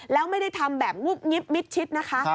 แล้วไม่ได้ทำแบบงุบงิบมิดชิดนะคะ